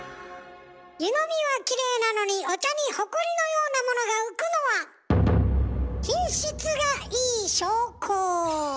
湯のみはきれいなのにお茶にホコリのようなものが浮くのは品質がいい証拠。